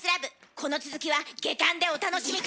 この続きは下巻でお楽しみ下さい。